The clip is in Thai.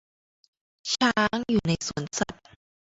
ช้างอยู่ในสวนสัตว์